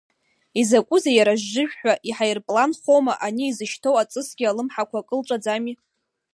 Изакәызеи иара жжыжәҳәа иҳаирпланхома, ани изышьҭоу аҵысгьы алымҳақәа кылҵәаӡами?